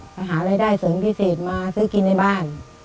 ไปหาอะไรได้เสริมที่เสร็จมาซื้อกินในบ้าน